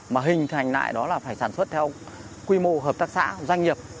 mà hình thành lại đó là phải sản xuất theo quy mô hợp tác xã doanh nghiệp